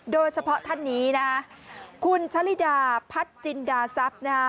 โดยเฉพาะท่านนี้นะคุณชะลิดาพัชจินดาซับนะ